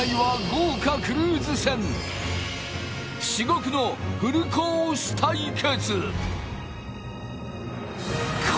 至極のフルコース対決